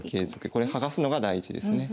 これ剥がすのが大事ですね。